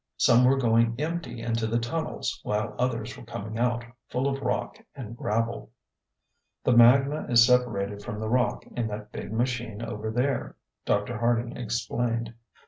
Some were going empty into the tunnels while others were coming out full of rock and gravel. "The magna is separated from the rock in that big machine over there," Dr. Harding explained.